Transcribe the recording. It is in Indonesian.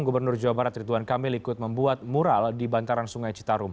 gubernur jawa barat rituan kamil ikut membuat mural di bantaran sungai citarum